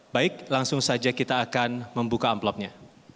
baik langsung saja kita akan membuka amplopnya